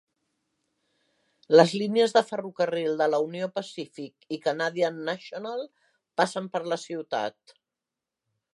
Les línies de ferrocarrils de la Union Pacific i Canadian National passen per la ciutat.